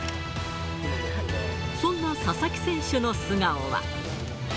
そんな佐々木選手の素顔は。